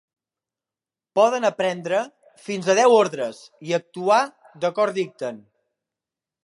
Poden aprendre fins a deu ordres i actuar d'acord dicten.